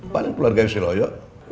paling keluarga si loyo